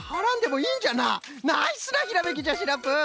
ナイスなひらめきじゃシナプー！